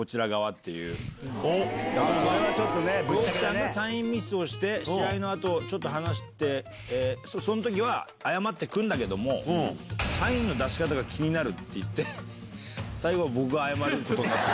朗希さんがサインミスをして試合の後ちょっと話してその時は謝って来るんだけども「サインの出し方が気になる」って言って最後は僕が謝ることになった。